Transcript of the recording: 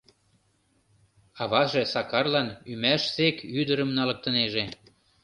Аваже Сакарлан ӱмашсек ӱдырым налыктынеже.